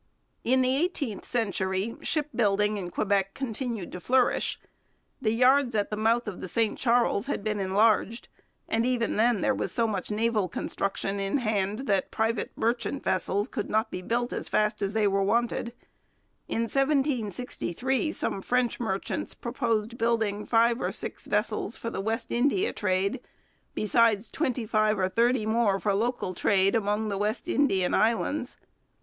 In the eighteenth century shipbuilding in Quebec continued to flourish. The yards at the mouth of the St Charles had been enlarged, and even then there was so much naval construction in hand that private merchant vessels could not be built as fast as they were wanted. In 1743 some French merchants proposed building five or six vessels for the West India trade, besides twenty five or thirty more for local trade among the West Indian islands.